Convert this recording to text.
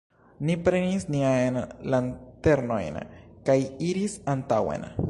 Ni prenis niajn lanternojn kaj iris antaŭen.